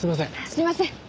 すいません。